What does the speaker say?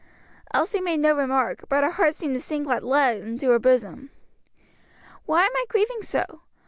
Elsie made no remark, but her heart seemed to sink like lead in her bosom. "Why am I grieving so?